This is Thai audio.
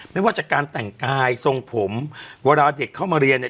ไม่ว่าจากการแต่งกายทรงผมเวลาเด็กเข้ามาเรียนเนี่ย